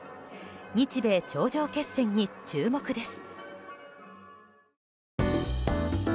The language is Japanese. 日米頂上決戦に注目です。